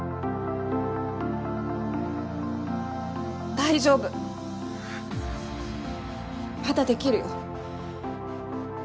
大丈夫まだできるよ。